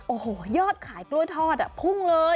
โอ้โหยอดขายกล้วยทอดพุ่งเลย